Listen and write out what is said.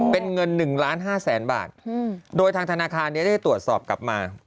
อ๋อเป็นเงินหนึ่งล้านห้าแสนบาทโดยทางธนาคารเนี่ยได้ตรวจสอบกลับมา